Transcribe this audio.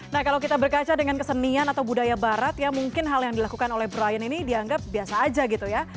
nah kalau kita berkaca dengan kesenian atau budaya barat ya mungkin hal yang dilakukan oleh brian ini dianggap biasa aja gitu ya